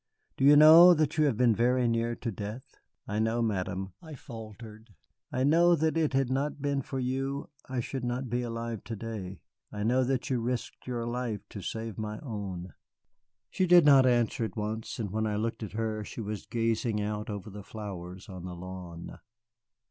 Do you know that you have been very near to death?" "I know, Madame," I faltered. "I know that had it not been for you I should not be alive to day. I know that you risked your life to save my own." She did not answer at once, and when I looked at her she was gazing out over the flowers on the lawn.